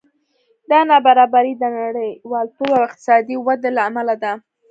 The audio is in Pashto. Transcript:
دا نابرابري د نړیوالتوب او اقتصادي ودې له امله ده